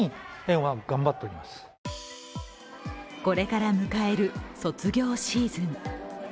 これから迎える卒業シーズン。